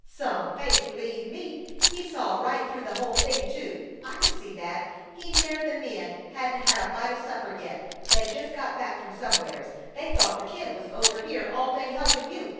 Some face, b'lieve me! He saw right through the whole thing, too. I could see that! He ner the men hadn't had a bite o' supper yet; they'd just got back from somewheres. They thought the Kid was over here all day helping you.